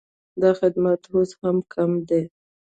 دا خدمت اوس هم کم دی